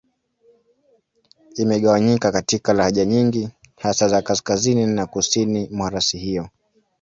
Imegawanyika katika lahaja nyingi, hasa za Kaskazini na za Kusini mwa rasi hiyo.